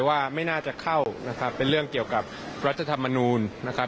ว่าไม่น่าจะเข้านะครับเป็นเรื่องเกี่ยวกับรัฐธรรมนูลนะครับ